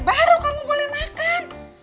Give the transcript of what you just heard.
baru kamu boleh makan